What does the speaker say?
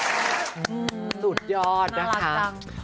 สุดยอดนะคะ